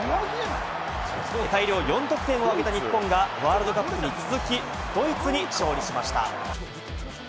大量４得点を挙げた日本がワールドカップに続き、ドイツに勝利しました。